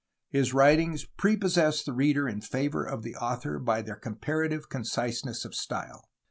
His writings ... pre possess the reader in favor of the author by their comparative conciseness of style.